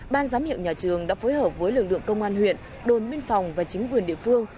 ban giám hiệu nhà trường đã phối hợp với lực lượng công an huyện đồn biên phòng và chính quyền địa phương